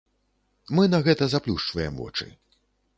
Мы на гэта заплюшчваем вочы.